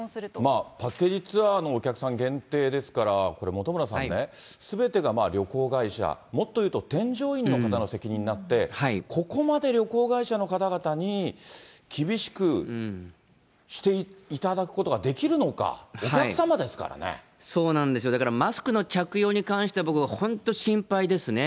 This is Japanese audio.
まあパッケージツアーのお客さん限定ですから、これ、本村さんね、すべてが旅行会社、もっと言うと添乗員の方の責任になって、ここまで旅行会社の方々に厳しくしていただくことができるのか、そうなんですよ、だから、マスクの着用に関して、僕は本当、心配ですね。